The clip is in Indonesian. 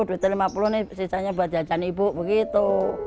duta lima puluh ini sisanya buat jajan ibu begitu